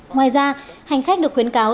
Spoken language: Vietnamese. ngoài ra hành khách được khuyến cáo